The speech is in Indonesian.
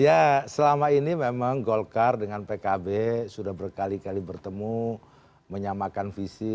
ya selama ini memang golkar dengan pkb sudah berkali kali bertemu menyamakan visi